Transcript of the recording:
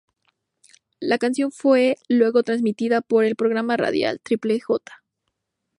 La canción fue luego transmitida por el programa radial "Triple J".